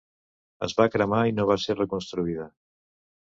Es va cremar i no va ser reconstruïda.